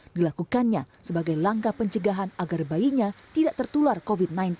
dilakukannya sebagai langkah pencegahan agar bayinya tidak tertular covid sembilan belas